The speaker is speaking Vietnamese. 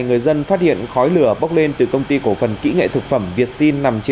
người dân phát hiện khói lửa bốc lên từ công ty cổ phần kỹ nghệ thực phẩm việt sinh